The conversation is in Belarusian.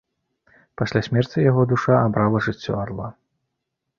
Пасля смерці яго душа абрала жыццё арла.